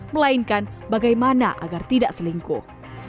melainkan bagaimana agar tidak selingkuh